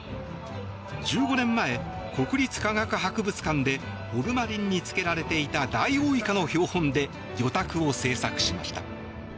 １５年前、国立科学博物館でホルマリンに漬けられていたダイオウイカの標本で魚拓を制作しました。